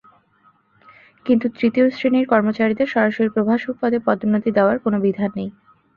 কিন্তু তৃতীয় শ্রেণির কর্মচারীদের সরাসরি প্রভাষক পদে পদোন্নতি দেওয়ার কোনো বিধান নেই।